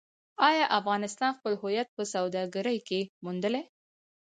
آیا افغانستان خپل هویت په سوداګرۍ کې موندلی؟